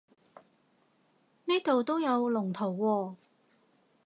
呢度都有龍圖喎